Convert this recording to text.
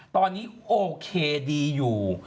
ตอนนี้โอเคดีอยู่